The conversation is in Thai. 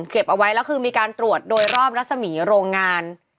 เก็บเอาไว้แล้วคือมีการตรวจโดยรอบรัศมีโรงงาน